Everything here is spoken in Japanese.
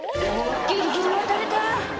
「ギリギリ渡れた」